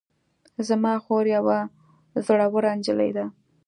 زما خور یوه زړوره نجلۍ ده